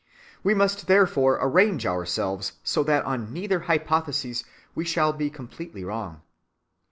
We must therefore arrange ourselves so that on neither hypothesis we shall be completely wrong.